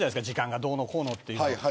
時間がどうのこうのっていうの。